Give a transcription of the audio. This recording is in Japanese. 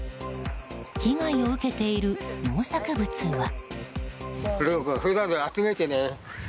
被害を受けている農作物は？